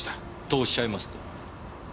とおっしゃいますと？